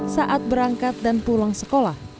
saat berangkat dan pulang sekolah